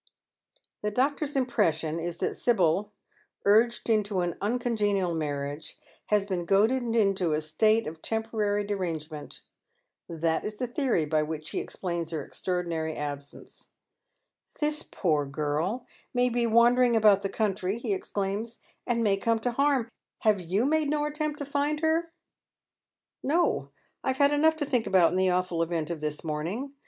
The doctor's impression is that Sibyl, urged into an uncon genial marriage, has been goaded into a state of temporary derangement. That is the theory by which he explains her extraordinary absence. " This poor girl may he wandering about the country," he exclaims, " and may come to harm. Have you made no attempt to find her?" " No. I have had enough to think about in the awful event of this morning.